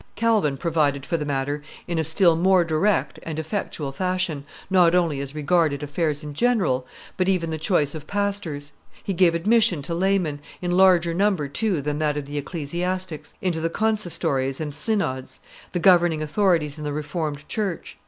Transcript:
Calvin provided for the matter in a still more direct and effectual fashion, not only as regarded affairs in general, but even the choice of pastors; he gave admission to laymen, in larger number too than that of the ecclesiastics, into the consistories and synods, the governing authorities in the Reformed church.